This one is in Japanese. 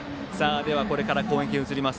これから攻撃に移ります